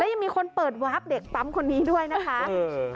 แล้วยังมีคนเปิดวาบเด็กปั๊มคนนี้ด้วยนะคะเออ